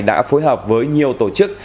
đã phối hợp với nhiều tổ chức